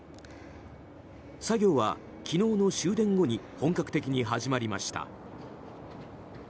作業は昨日の終電後に本格的に始まりました。